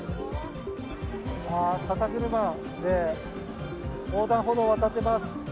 肩車で横断歩道を渡っています。